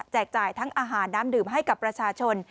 จ่ายทั้งอาหารน้ำดื่มให้กับประชาชน